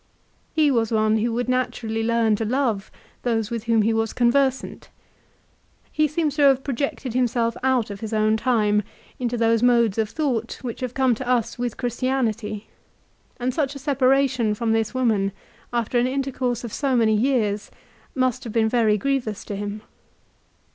He was one who would naturally learn to love those with whom he was conversant. He seems to have projected himself out of his own time into those modes of thought which have come to us with Christianity, and such a separation from this woman after an intercourse of so many years must have been very grievous to him.